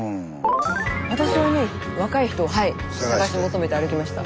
私はね若い人をはい探し求めて歩きました。